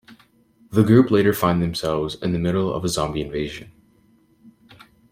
The group later find themselves in the middle of a zombie invasion.